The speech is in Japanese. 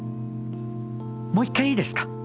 もう１回いいですか？